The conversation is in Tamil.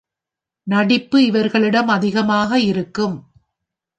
நடிப்பு இவர்களிடம் அதிகமாக இருக்கும்.